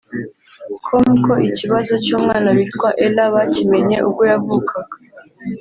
com ko ikibazo cy’umwana witwa Ella bakimenye ubwo yavukaga